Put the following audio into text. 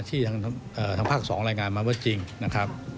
ที่ทางภาค๒รายงานมาว่าจริงนะครับ